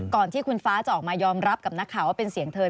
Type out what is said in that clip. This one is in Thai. ที่คุณฟ้าจะออกมายอมรับกับนักข่าวว่าเป็นเสียงเธอ